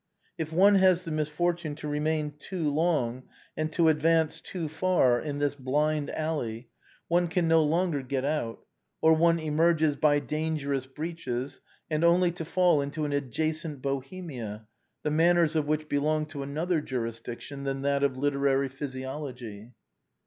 If one has the misfortune to remain too long and to advance too far in ORIGINAL PREFACE. xlî this blind alley one can no longer get out, or one emerges by dangerous breaches and only to fall into an adjacent Bohemia, the manners of which belong to another jurisdic tion than that of literary physiology.